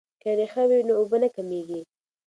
که ریښه وي نو اوبه نه کمیږي.